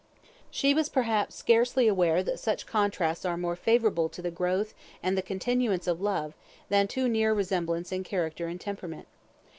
She was perhaps scarcely aware that such contrasts are more favourable to the growth and the continuance of love than too near resemblance in character and temperament.